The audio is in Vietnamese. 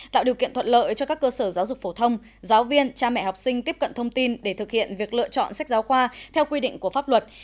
tạo điều kiện thuận lợi cho các cơ sở giáo dục phổ thông giáo viên cha mẹ học sinh tiếp cận thông tin để thực hiện việc lựa chọn sách giáo khoa theo quy định của pháp luật